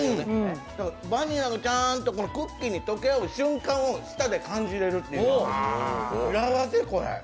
バニラのちゃーんとクッキーに溶け合う瞬間を舌で感じられるという幸せ、これ。